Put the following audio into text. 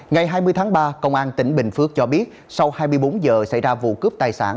ngày hai mươi tháng ba công an tỉnh bình phước cho biết sau hai mươi bốn giờ xảy ra vụ cướp tài sản